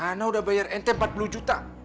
ana udah bayar ente empat puluh juta